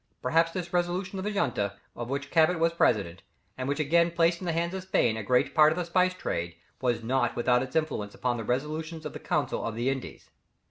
Perhaps this resolution of the junta of which Cabot was president, and which again placed in the hands of Spain a great part of the spice trade, was not without its influence upon the resolutions of the council of the Indies.